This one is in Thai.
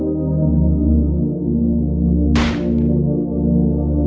สวัสดีทุกคน